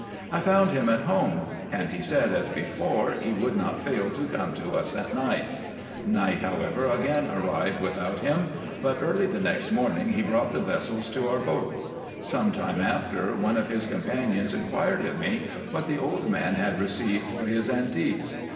I found him at home, and he said, as before, he would not fail to come to us at night. Night, however, again arrived without him ; but early the next morning he brought the vessels to our boat. Some time after, one of his companions inquired of me what the old man had received for his antiques.